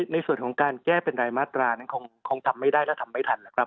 ในส่วนของการแก้เป็นรายมาตรานั้นคงทำไม่ได้และทำไม่ทันแล้วครับ